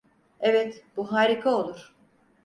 Evet, bu harika olur.